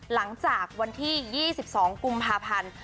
หลังจากวันที่๒๒กุมภาพันธ์